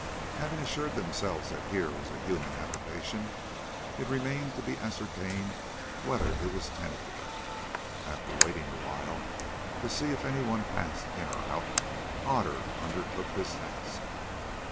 Having assured themselves that here was a human habitation, it remained to be ascertained whether it was tenanted. After waiting awhile to see if anyone passed in or out, Otter undertook this task.